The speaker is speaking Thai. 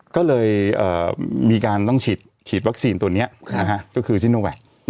ก็เลยมีการต้องฉีดวัคซีนตัวนี้ก็คือซิโนแวค